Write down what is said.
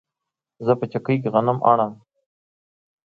زه په چکۍ کې غنم اڼم